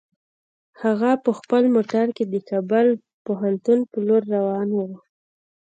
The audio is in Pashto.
هغه په خپل موټر کې د کابل پوهنتون په لور روان و.